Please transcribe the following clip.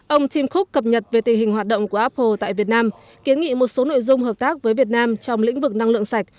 ông tim cook cập nhật về tình hình hoạt động của apple tại việt nam kiến nghị một số nội dung hợp tác với việt nam trong lĩnh vực năng lượng sạch